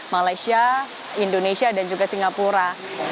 malaysia indonesia dan juga singapura